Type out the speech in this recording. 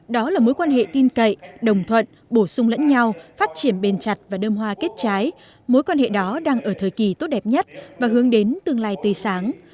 đó là mối quan hệ tin cậy đồng thuận bổ sung lẫn nhau phát triển bền chặt và đơm hoa kết trái mối quan hệ đó đang ở thời kỳ tốt đẹp nhất và hướng đến tương lai tươi sáng